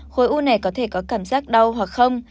khối u này có thể có cảm giác đau hoặc không